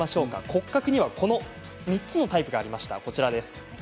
骨格には３つのタイプがありました。